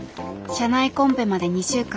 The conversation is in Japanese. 社内コンペまで２週間。